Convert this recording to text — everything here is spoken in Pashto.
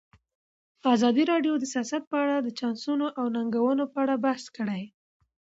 ازادي راډیو د سیاست په اړه د چانسونو او ننګونو په اړه بحث کړی.